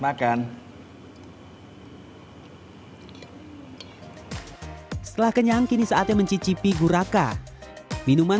hai setelah kenyang kini saatnya mencicipi guraka minuman